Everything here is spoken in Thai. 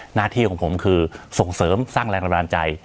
หน้าที่ของผมคือส่งเสริมสร้างแรงบันดาลใจ